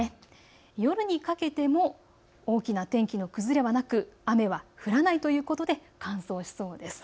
夜にかけても大きな天気の崩れはなく雨は降らないということで乾燥しそうです。